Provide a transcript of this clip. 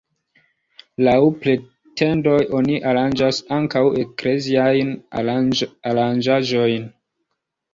Laŭ pretendoj oni aranĝas ankaŭ ekleziajn aranĝaĵojn.